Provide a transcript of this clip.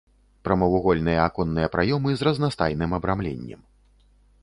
Прамавугольныя аконныя праёмы з разнастайным абрамленнем.